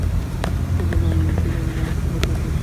সে বলল, আমিই ইউসুফ এবং এই আমার সহোদর ভাই।